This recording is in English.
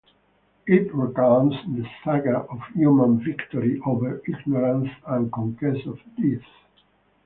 It recounts the saga of human victory over ignorance and conquest of death.